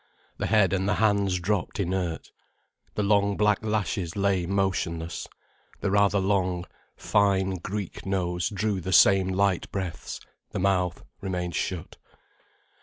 The head and the hands dropped inert. The long black lashes lay motionless, the rather long, fine Greek nose drew the same light breaths, the mouth remained shut.